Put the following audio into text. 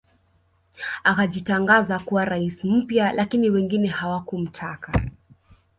Akajitangaza kuwa rais mpya lakini wengine hawakumtaka